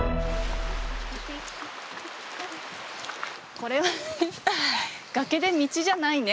これは崖で道じゃないね。